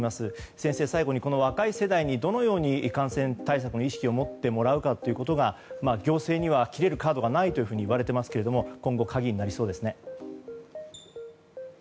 先生、最後に若い世代にどのように感染対策の意識を持ってもらうかが行政には切れるカードがないといわれていますが今後、鍵になりそうですね。